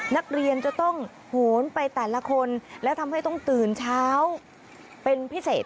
นักเรียนจะต้องโหนไปแต่ละคนและทำให้ต้องตื่นเช้าเป็นพิเศษ